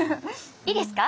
いいですか？